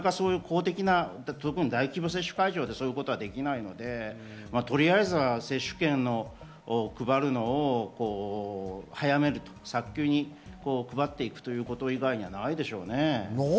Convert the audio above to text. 大規模接種会場でそういうことはできないので、とりあえずは接種券を配るのも早急に配っていくこと以外にはないでしょうね。